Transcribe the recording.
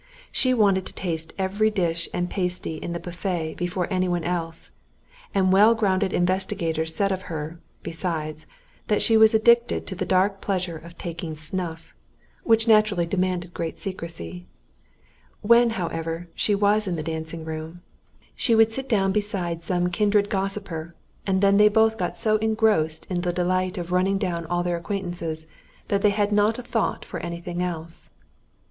She wanted to taste every dish and pasty in the buffet before any one else, and well grounded investigators said of her, besides, that she was addicted to the dark pleasure of taking snuff, which naturally demanded great secrecy. When, however, she was in the dancing room, she would sit down beside some kindred gossiper, and then they both got so engrossed in the delight of running down all their acquaintances, that they had not a thought for anything else.